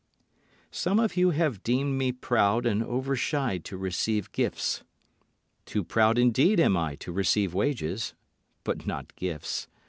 Some of you have deemed me proud and over shy to receive gifts. Too proud indeed am I to receive wages, but not gifts.